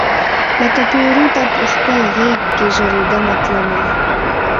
لکه پیروته پخپل غیږ کې ژریدمه تلمه